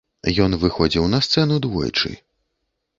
Ён выходзіў на сцэну двойчы.